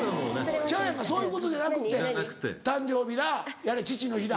ちゃうやんかそういうことじゃなくて誕生日だやれ父の日だ。